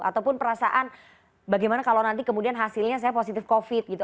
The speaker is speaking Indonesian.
ataupun perasaan bagaimana kalau nanti kemudian hasilnya saya positif covid gitu